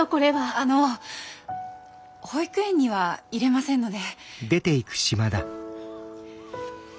あの保育園には入れませんので。